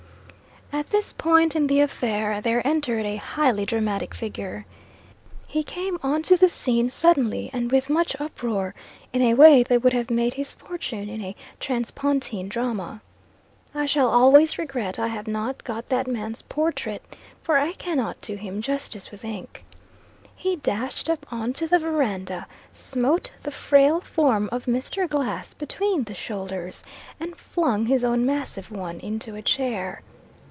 At this point in the affair there entered a highly dramatic figure. He came on to the scene suddenly and with much uproar, in a way that would have made his fortune in a transpontine drama. I shall always regret I have not got that man's portrait, for I cannot do him justice with ink. He dashed up on to the verandah, smote the frail form of Mr. Glass between the shoulders, and flung his own massive one into a chair.